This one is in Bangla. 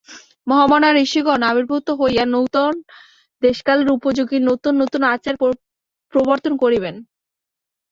মহামনা ঋষিগণ আবির্ভূত হইয়া নূতন দেশকালের উপযোগী নূতন নূতন আচার প্রবর্তন করিবেন।